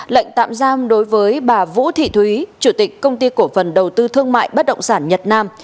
lệnh tạm giam đối với bà vũ thị thúy chủ tịch công ty cổ phần đầu tư thương mại bất động sản nhật nam